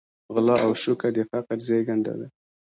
غلا او شوکه د فقر زېږنده ده.